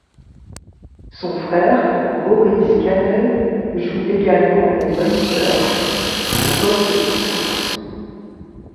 Son frère Rory Scannell joue également au Munster au poste de centre.